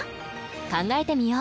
考えてみよう。